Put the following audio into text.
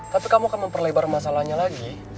tapi kamu akan memperlebar masalahnya lagi